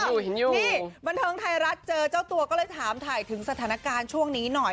นี่บันเทิงไทยรัฐเจอเจ้าตัวก็เลยถามถ่ายถึงสถานการณ์ช่วงนี้หน่อย